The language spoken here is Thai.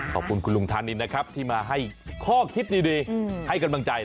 ขอบคุณคุณลุงธานินนะครับที่มาให้ข้อคิดดีให้กำลังใจ